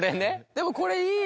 でもこれいい。